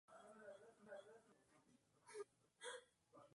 El torneo fue muy irregular.